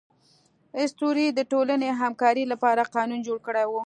اسطورې د ټولنې همکارۍ لپاره قانون جوړ کړی و.